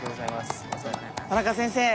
田中先生。